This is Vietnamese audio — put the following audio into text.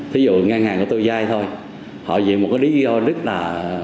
thí dụ ngân hàng của tôi giai thôi họ vì một cái lý do rất là